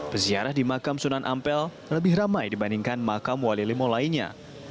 peziarah di makam sunan ampel lebih ramai dibandingkan makam wali limo lainnya